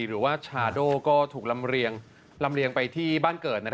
หรือว่าชาโดก็ถูกลำเลียงไปที่บ้านเกิด